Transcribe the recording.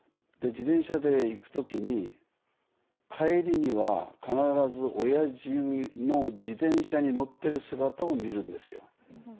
自転車で行く時に帰りには必ずおやじの自転車に乗ってる姿を見るんですよ。